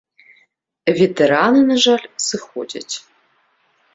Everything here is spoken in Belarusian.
Ветэраны, на жаль, сыходзяць.